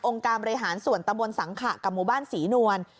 การบริหารส่วนตำบลสังขะกับหมู่บ้านศรีนวล